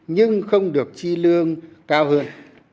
nhưng không được chi lương cao hơn